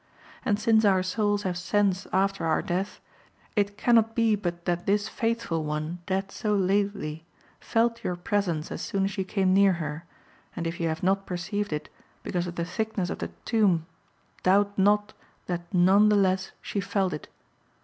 And since our souls have sense after our death, it cannot be but that this faithful one, dead so lately, felt your presence as soon as you came near her; and if you have not perceived it, because of the thickness of the tomb, doubt not that none the less she felt it.